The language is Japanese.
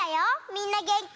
みんなげんき？